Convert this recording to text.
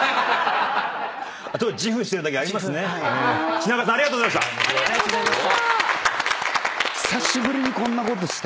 品川さんありがとうございました。